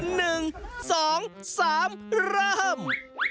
หนึ่งสองสามเริ่ม